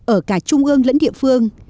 ở cả trung ương lẫn địa phương